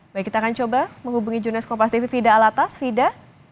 baik kita akan coba menghubungi jurnalist kompas tv fida alatas fida